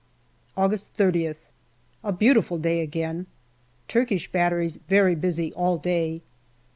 August 80th. A beautiful day again ! Turkish batteries very busy all day.